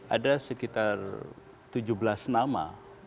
ada sekitar tujuh belas nama